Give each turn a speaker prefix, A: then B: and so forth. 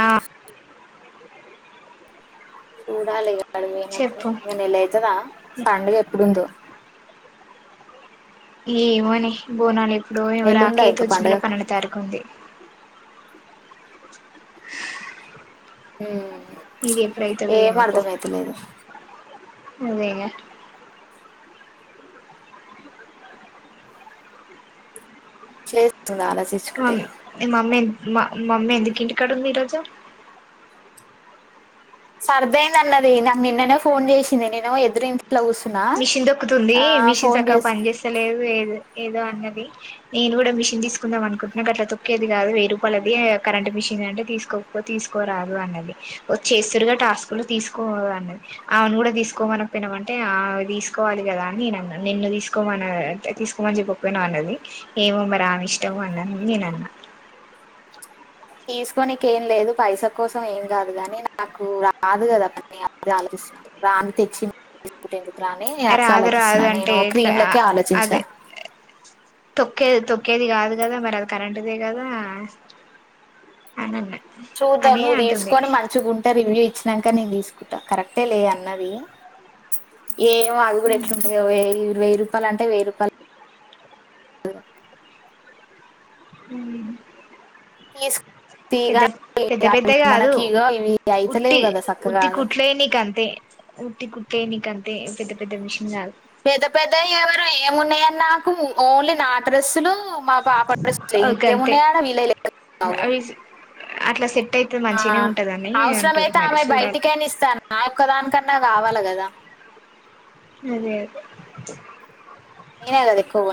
A: ఆ
B: చూడాలి ఇగ ఆడికి పోయినప్పుడు
A: చెప్పు
B: ఇగ నెల అయితదా పండుగ ఎప్పుడుందో
A: ఏమోని బోనాలు ఎప్పుడో ఏమో
B: నెల్లుందా
A: రాకీ అయితే
B: ఇంకా
A: వచే నెల
B: పండుగకి
A: పన్నెండు తారీఖు ఉంది
B: ఉం చ్
A: ఇది ఎప్పుడైతదో
B: ఏం
A: ఏమో పో
B: అర్ధం అయితలేదు
A: అదేగా
B: శాల [unintelligible]
A: మమ్మీ మమ్మీ మా మమ్మీ ఎందుకు ఇంటికాడ ఉంది ఈరోజు
B: సర్దయింద అన్నది నాకు నిన్ననే ఫోన్ చేసింది నేను ఎదిరి ప్లౌస్నా
A: మిషన్ దొక్కుతుంది మిషిన్ చక్కగా పని చేస్తలేదు ఏద ఏదో అన్నది నేను కూడా మిషన్ తీసుకుందాం అనుకుంటున్నా అట్లా తొక్కేది కాదు వెయ్యి రూపాయలది కరెంట్ మిషన్ అంటే తీసుకో పో తీసుకోరాదు అన్నది చేస్తురుగా టాస్క్ లు తీసుకో అన్నది ఆమెను కూడా తీసుకోమన పోయినవా అంటే తీసుకోవాలి కదా అని నేను అన్న నిన్ను తీసుకోమ తీసుకోమని చెప్పకపోయినా అన్నది ఏమో మరీ ఆమె ఇష్టం అన్నది అని నేను అన్నా
B: తీసుకోనికి ఏం లేదు పైసా కోసం ఏం కాదు గాని నాకు రాదు కదా అ అది ఆలోచిస్తును రాని [unintelligible] తెచ్చిట్టేందుకు రాని అట్లా
A: రాదు
B: ఆలోచిస్తున్నా
A: రాదు అంటే
B: నేను
A: ఎట్లా
B: క్రీమ్ లకే ఆలోచించా
A: అదే తొక్కేది తొక్కేది కాదు కదా మరి అది కరెంట్దే కదా
B: చూద్దాం
A: అని
B: నువ్వు
A: అంటుంది
B: తీసుకొని మంచిగుంటే రివ్యూ ఇచ్చినాక నేను తీసుకుంటా కరెక్టే లే అన్నది ఏమో అవి కూడా ఎట్లుంటాయో వెయ్యి రూపాయలు అంటే వెయ్యి రూపాయలు
A: ఉ
B: తీసు తీగ
A: పెద్ద పెద్ద కాదు
B: మనకి ఇగ ఇవి
A: ఉట్టి
B: అయితలేవు కదా చక్కగాదు
A: ఊటీ కుట్టేనికే అంతా పెద్ద పెద్ద మషీన్ కాల
B: పెద్ద పెద్ద ఎవరు ఏమిన్నాయని నాకు ఓన్లీ నా డ్రస్సులు మా పాప డ్రెస్సులే
A: అవి
B: ఇక
A: గంతే
B: ఏమున్నాయాడ
A: అవి అట్లా సెట్ అయితే మంచిగానే ఉంటదని అంటురు మరి చూడాలి
B: నేనీస్తాన్ నా ఓక్క దానికన్నా కావాలి కదా
A: అదే అదే
B: నేనే ఎదక్కువ